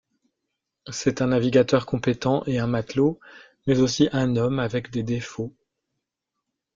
C'est un navigateur compétent et un matelot, mais aussi un homme avec des défauts.